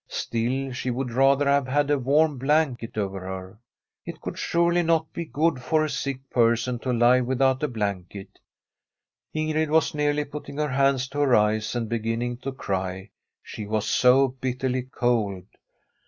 Still, she would rather have had a warm blanket over her. It could surely not be good for a sick person to lie without a blanket. Ingrid was nearly putting her hands to her eyes and beginning to cry, she was so bitterly cold.